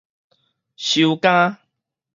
收監